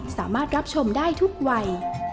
สุดท้าย